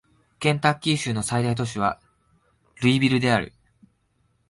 ケンタッキー州の最大都市はルイビルである